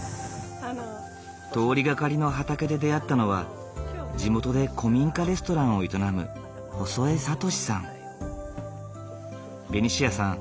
通りがかりの畑で出会ったのは地元で古民家レストランを営むベニシアさん